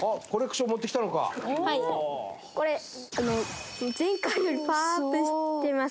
これ前回よりパワーアップしてます